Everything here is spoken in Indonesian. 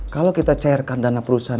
kalau maksa sih